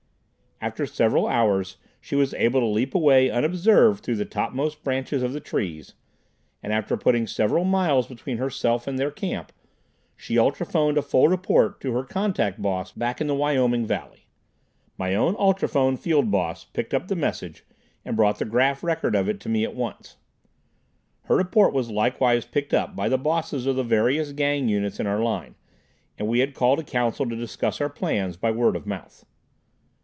After several hours she was able to leap away unobserved through the topmost branches of the trees, and after putting several miles between herself and their camp, she ultrophoned a full report to her Contact Boss back in the Wyoming Valley. My own Ultrophone Field Boss picked up the message and brought the graph record of it to me at once. Her report was likewise picked up by the Bosses of the various Gang units in our line, and we had called a council to discuss our plans by word of mouth.